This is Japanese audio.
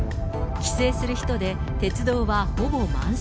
帰省する人で鉄道はほぼ満席。